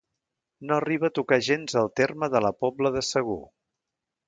No arriba a tocar gens el terme de la Pobla de Segur.